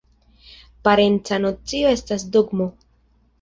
Parenca nocio estas ”dogmo”.